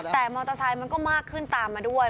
แต่มอเตอร์ไซค์มันก็มากขึ้นตามมาด้วย